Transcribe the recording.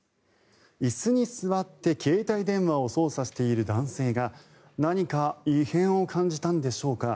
椅子に座って携帯電話を操作している男性が何か異変を感じたんでしょうか。